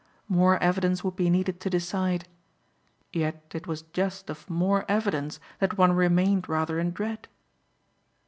More evidence would be needed to decide; yet it was just of more evidence that one remained rather in dread.